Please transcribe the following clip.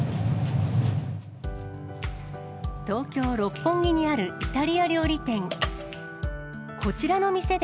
東京・六本木にあるイタリア料理店。